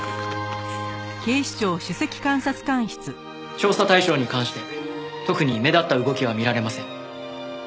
調査対象に関して特に目立った動きは見られません。